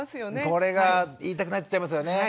これが言いたくなっちゃいますよね。